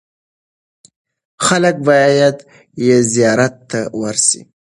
خلک باید یې زیارت ته ورسي.